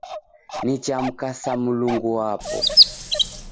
Nichamkasa Mulungu wapo